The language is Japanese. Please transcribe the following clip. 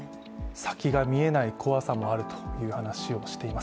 先が見えない怖さもあるという話をしています